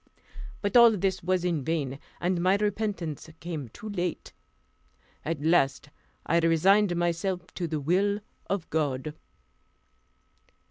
But all this was in vain, and my repentance came too late. At last I resigned myself to the will of God.